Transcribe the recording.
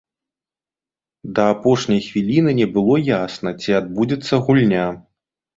Да апошняй хвіліны не было ясна, ці адбудзецца гульня.